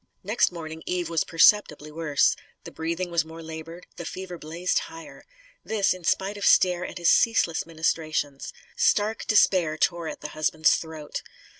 Next morning Eve was perceptibly worse: the breathing was more laboured; the fever blazed higher. This in spite of Stair and his ceaseless ministrations. Stark despair tore at the husband's throat.